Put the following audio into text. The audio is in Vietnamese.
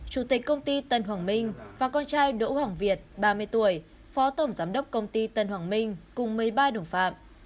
chủ tịch công ty tân hoàng minh và con trai đỗ hoàng việt ba mươi tuổi phó tổng giám đốc công ty tân hoàng minh cùng một mươi ba đồng phạm